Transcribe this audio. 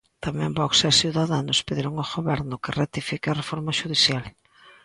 Tamén Vox e Ciudadanos pediron ao Goberno que rectifique a reforma xudicial.